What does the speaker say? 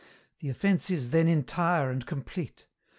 The offence is, then, entire and complete.